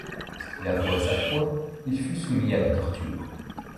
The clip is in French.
Lorsqu'il avoua sa foi, il fut soumis à la torture.